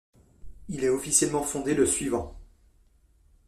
Il est officiellement fondé le suivant.